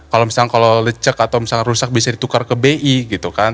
kalau misalnya kalau lecek atau misalnya rusak bisa ditukar ke bi gitu kan